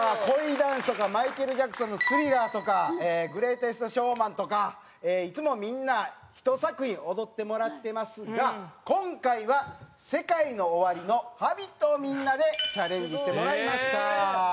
ダンスとかマイケル・ジャクソンの『スリラー』とか『グレイテスト・ショーマン』とかいつもみんな１作品踊ってもらってますが今回はＳＥＫＡＩＮＯＯＷＡＲＩの『Ｈａｂｉｔ』をみんなでチャレンジしてもらいました。